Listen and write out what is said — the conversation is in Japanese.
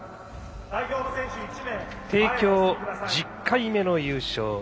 帝京、１０回目の優勝。